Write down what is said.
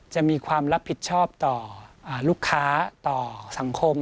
จะมีความรับผิดชอบต่อลูกค้าต่อสังคม